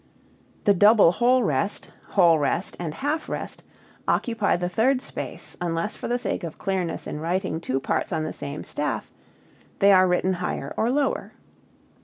The double whole rest, whole rest, and half rest occupy the third space unless for the sake of clearness in writing two parts on the same staff they are written higher or lower.